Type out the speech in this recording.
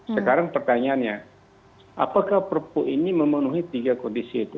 sekarang pertanyaannya apakah perpu ini memenuhi tiga kondisi itu